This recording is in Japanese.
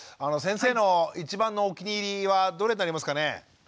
先生の一番のお気に入りはどれになりますかね？